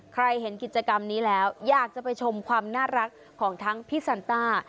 เห็นกิจกรรมนี้แล้วอยากจะไปชมความน่ารักของทั้งพี่ซันต้า